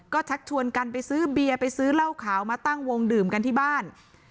ก็ชักชวนกันไปซื้อเบียร์ไปซื้อเหล้าขาวมาตั้งวงดื่มกันที่บ้าน